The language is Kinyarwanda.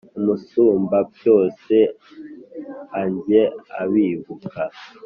Umusumbabyose ajye abibuka.